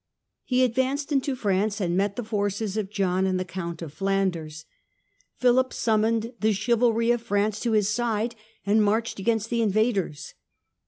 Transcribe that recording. He advanced into France and met the forces of John and the Count of Flanders. Philip summoned the chivalry of France to his side and marched against the invaders.